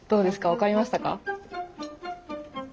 分かりましたか？